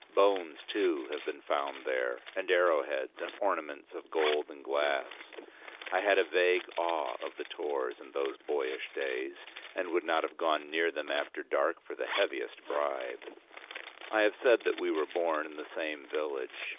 Bones, too, had been found there, and arrow heads, and ornaments of gold and glass. I had a vague awe of the Tors in those boyish days, and would not have gone near them after dark for the heaviest bribe. I have said that we were born in the same village.